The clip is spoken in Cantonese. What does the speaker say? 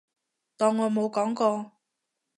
當我冇講過